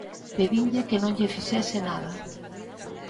Pedinlle que non lle fixese nada.